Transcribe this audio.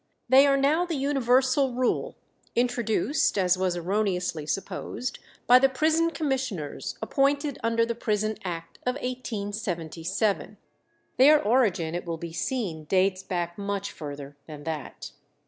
They are now the universal rule, introduced, as was erroneously supposed, by the prison commissioners appointed under the Prison Act of 1877. Their origin it will be seen dates back much further than that.